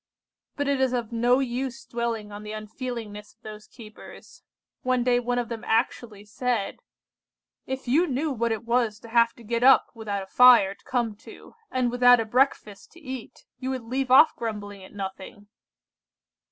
"But it is of no use dwelling on the unfeelingness of those keepers. One day one of them actually said:— "'If you knew what it was to have to get up without a fire to come to, and without a breakfast to eat, you would leave off grumbling at nothing.